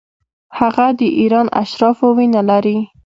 هغه د ایران اشرافو وینه لري.